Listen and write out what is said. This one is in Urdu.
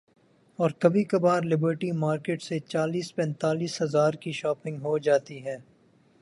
اورکبھی کبھار لبرٹی مارکیٹ سے چالیس پینتالیس ہزار کی شاپنگ ہو جاتی ہے۔